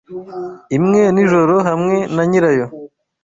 imwe nijoro hamwe na nyirayo